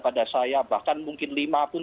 pada saya bahkan mungkin lima pun